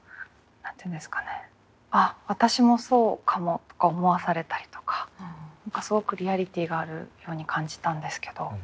「あっ私もそうかも」とか思わされたりとかすごくリアリティーがあるように感じたんですけど。